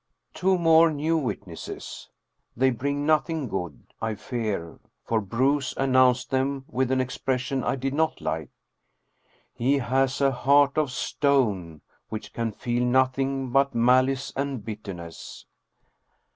Two more new witnesses. They bring nothing good, I fear, for Bruus announced them with an expression I did not like. He has a heart of stone, which can feel nothing but malice and bitterness.